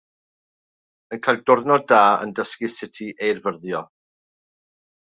Yn cael diwrnod da yn dysgu sut i eirfyrddio.